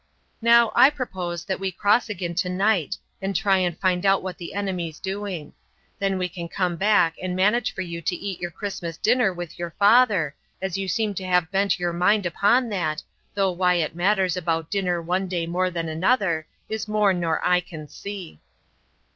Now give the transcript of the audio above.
Now, I propose that we cross again to night and try and find out what the enemy's doing. Then we can come back and manage for you to eat your Christmas dinner with yer father, as you seem to have bent yer mind upon that, though why it matters about dinner one day more than another is more nor I can see."